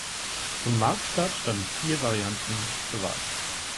Zum Marktstart standen vier Varianten zur Wahl.